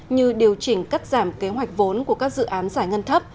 như điều chỉnh cắt giảm kế hoạch vốn của các dự án giải ngân thấp